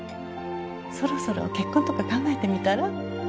そろそろ結婚とか考えてみたら？